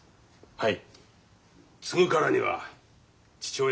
はい。